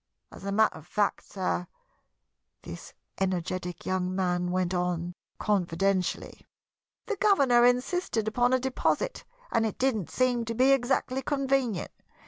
As a matter of fact, sir," this energetic young man went on, confidentially, "the governor insisted upon a deposit and it didn't seem to be exactly convenient.